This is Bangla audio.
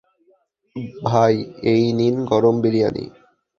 ভাই, এই নিন গরম বিরিয়ানি।